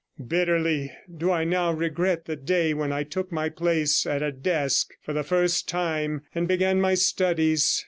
131 Bitterly do I now regret the day when I took my place at a desk for the first time, and began my studies.